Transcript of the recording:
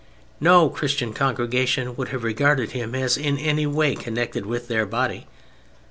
No Christian congregation would have regarded him as in any way connected with their body.